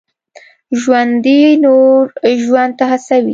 ژوندي نور ژوند ته هڅوي